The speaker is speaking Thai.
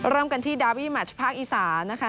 เริ่มกันที่ดาร์บีมัชภาคอีสานครับ